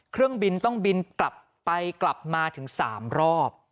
เครื่องบินต้องบินกลับไปกลับมาถึง๓รอบ